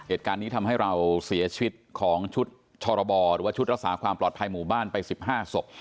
เหตุการณ์นี้ทำให้เราเสียชีวิตของชุดชรบหรือว่าชุดรักษาความปลอดภัยหมู่บ้านไป๑๕ศพ